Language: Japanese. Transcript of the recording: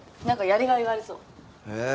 何かやりがいがありそう。